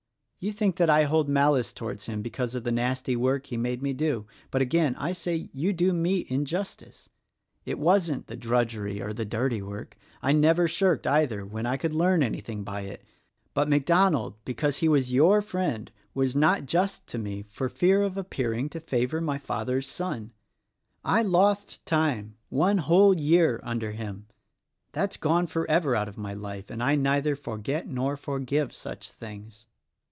You think that I hold malice towards him because of the nasty work he made me do; but, again, I say you do me injustice. It wasn't the drudgery or the dirty work. I never shirked either, when I could learn anything by it; but MacDonald, because he was your friend, was not just to me for fear of appearing to favor my father's son. I lost time — one whole year — under him that is gone forever out of my life, — and I neither forget nor forgive such things.